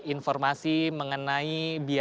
informasi mengenai biaya